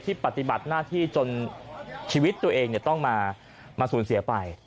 ปฏิบัติหน้าที่จนชีวิตตัวเองต้องมาสูญเสียไป